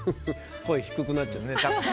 声低くなっちゃうね。